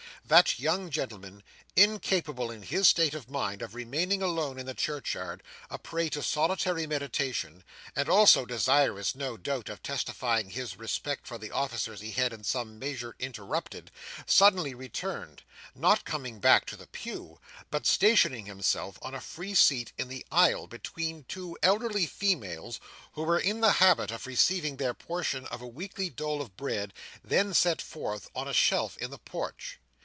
That young gentleman, incapable, in his state of mind, of remaining alone in the churchyard, a prey to solitary meditation, and also desirous, no doubt, of testifying his respect for the offices he had in some measure interrupted, suddenly returned—not coming back to the pew, but stationing himself on a free seat in the aisle, between two elderly females who were in the habit of receiving their portion of a weekly dole of bread then set forth on a shelf in the porch.